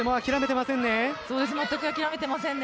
まったく諦めてませんね。